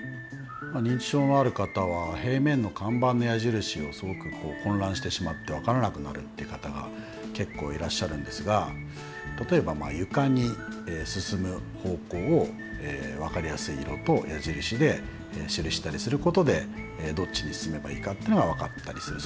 認知症のある方は平面の看板の矢印をすごく混乱してしまって分からなくなるっていう方が結構いらっしゃるんですが例えば床に進む方向を分かりやすい色と矢印で記したりすることでどっちに進めばいいかっていうのが分かったりする。